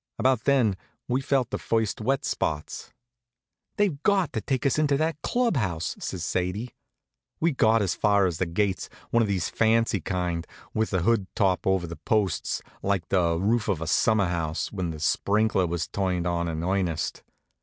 About then we felt the first wet spots. "They've got to take us into that club house," says Sadie. We'd got as far as the gates, one of these fancy kind, with a hood top over the posts, like the roof of a summer house, when the sprinkler was turned on in earnest.